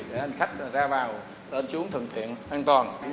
để khách ra vào lên xuống thượng thiện an toàn